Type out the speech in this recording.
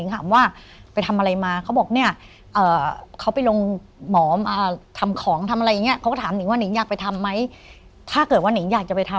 เฮ้ย